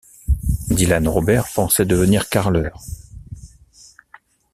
Dylan Robert pensait devenir carreleur.